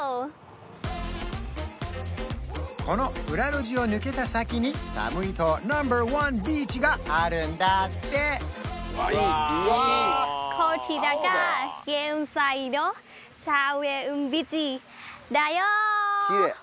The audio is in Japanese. この裏路地を抜けた先にサムイ島ナンバーワンビーチがあるんだってうわいい！